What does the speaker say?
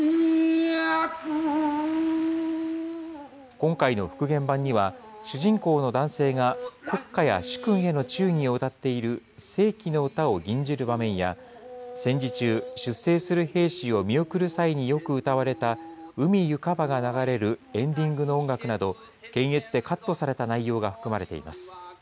今回の復元版には、主人公の男性が国家や主君への忠義を歌っている正気歌を吟じる場面や、戦時中、出征する兵士を見送る際によく歌われた、海ゆかばが流れるエンディングの音楽など、検閲でカットされた内容が含まれています。